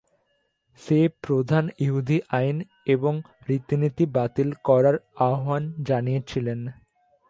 সে প্রধান ইহুদি আইন এবং রীতিনীতি বাতিল করার আহ্বান জানিয়েছিলেন।